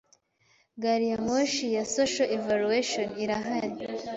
Gariyamoshi ya Social Evolution irahari